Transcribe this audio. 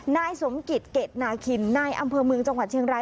นายสมกิจเกรดนาคินนายอำเภอเมืองจังหวัดเชียงราย